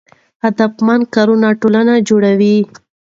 هدفمند کارونه ټولنه جوړوي.